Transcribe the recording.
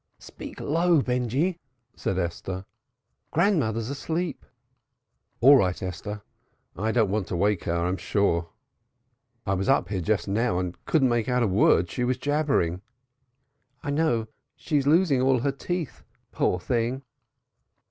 "Speak low, Benjy," said Esther. "Grandmother's asleep." "All right, Esther. I don't want to wake her, I'm sure. I was up here just now, and couldn't make out a word she was jabbering." "I know. She's losing all her teeth, poor thing."